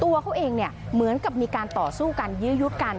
ตัวเขาเองเนี่ยเหมือนกับมีการต่อสู้กันยื้อยุดกัน